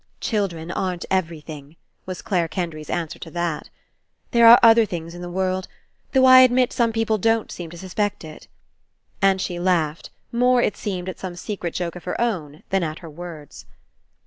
"Children aren't everything," was Clare Kendry's answer to that. "There are other things in the world, though I admit some peo ple don't seem to suspect It." And she laughed, more. It seemed, at some secret joke of her own than at her words.